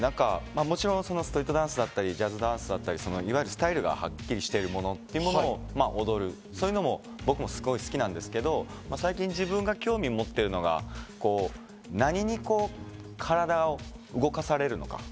もちろんストリートダンスだったりジャズダンスだったり、スタイルがはっきりしているものというのを踊る、そういうのも僕もすっごい好きなんですけど、最近自分が興味を持っているのが、何に体を動かされるのか。